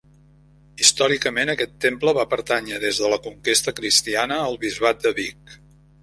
Històricament, aquest temple va pertànyer des de la conquesta cristiana al Bisbat de Vic.